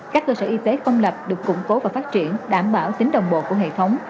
các cơ sở y tế công lập được củng cố và phát triển đảm bảo tính đồng bộ của hệ thống